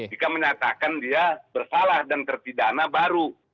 jika menyatakan dia bersalah dan terpidana baru